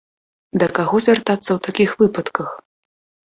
Да каго звяртацца ў такіх выпадках?